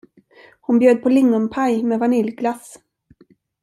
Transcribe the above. Hon bjöd på lingonpaj med vaniljglass.